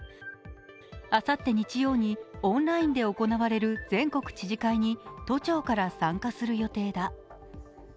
あさって日曜にオンラインで行われる全国知事会に都庁から参加する予定だ。